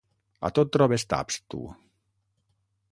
A tot trobes taps, tu.